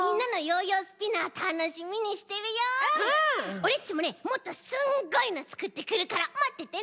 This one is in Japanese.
オレっちもねもっとすんごいのつくってくるからまっててね！